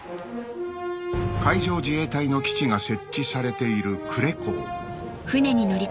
海上自衛隊の基地が設置されている呉港